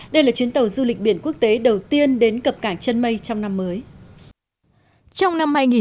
đây là chuyến tàu du lịch biển quốc tế đầu tiên đến cập cảng chân mây trong năm mới